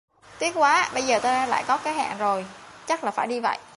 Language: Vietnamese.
Tiếc quá Bây giờ tao lại có cái hẹn rồi Chắc là phải đi